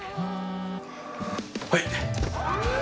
はい。